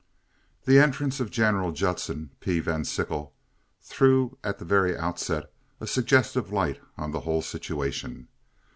The entrance of Gen. Judson P. Van Sickle threw at the very outset a suggestive light on the whole situation.